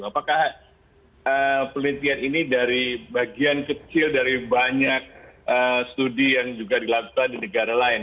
apakah penelitian ini dari bagian kecil dari banyak studi yang juga dilakukan di negara lain